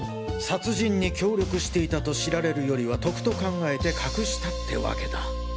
殺人に協力していたと知られるよりは得と考えて隠したってワケだ。